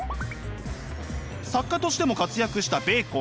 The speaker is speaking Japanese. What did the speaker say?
作家としても活躍したベーコン。